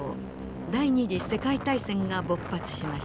第二次世界大戦が勃発しました。